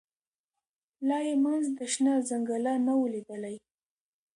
لا یې منځ د شنه ځنګله نه وو لیدلی